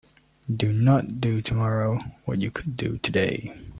Do not do tomorrow what you could do today.